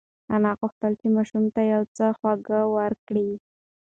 انا غوښتل چې ماشوم ته یو څه خواږه ورکړي.